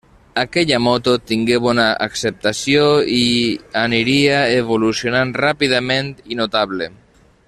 Aquella moto tingué bona acceptació i aniria evolucionant ràpidament i notable.